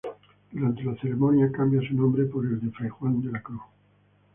Durante la ceremonia cambia su nombre por el de fray Juan de la Cruz.